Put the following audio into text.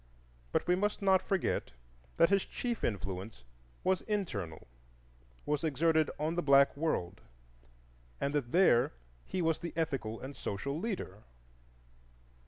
But we must not forget that his chief influence was internal,—was exerted on the black world; and that there he was the ethical and social leader.